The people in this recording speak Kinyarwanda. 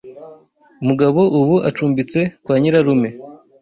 Mugabo ubu acumbitse kwa nyirarume.